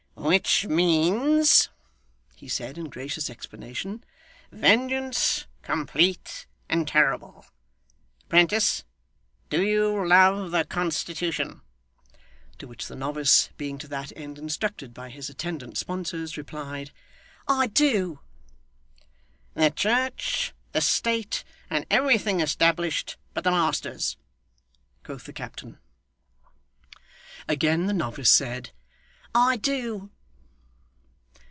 'Which means,' he said in gracious explanation, 'vengeance, complete and terrible. 'Prentice, do you love the Constitution?' To which the novice (being to that end instructed by his attendant sponsors) replied 'I do!' 'The Church, the State, and everything established but the masters?' quoth the captain. Again the novice said 'I do.